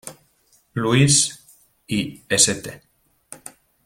Louis, y St.